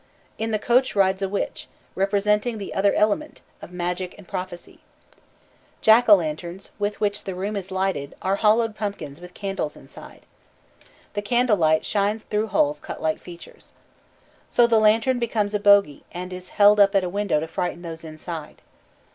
In the coach rides a witch, representing the other element, of magic and prophecy. Jack o' lanterns, with which the room is lighted, are hollowed pumpkins with candles inside. The candle light shines through holes cut like features. So the lantern becomes a bogy, and is held up at a window to frighten those inside.